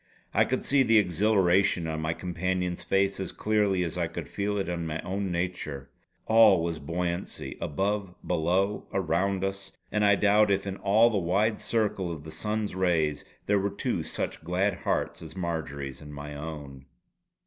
I could see the exhilaration on my companion's face as clearly as I could feel it in my own nature. All was buoyancy, above, below, around us; and I doubt if in all the wide circle of the sun's rays there were two such glad hearts as Marjory's and my own.